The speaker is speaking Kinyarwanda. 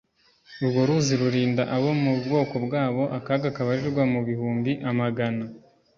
urwo ruzi rurinda abo mu bwoko bwabo akaga kabarirwa mu bihumbi amagana.